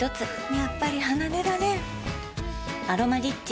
やっぱり離れられん「アロマリッチ」